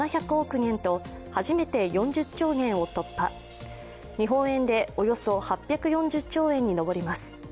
元と初めて４０兆元を突破日本円でおよそ８４０兆円に上ります。